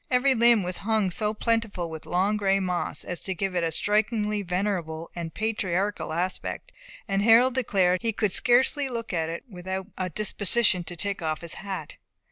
Every limb was hung so plentifully with long gray moss, as to give it a strikingly venerable and patriarchal aspect, and Harold declared he could scarcely look at it without a disposition to take off his hat.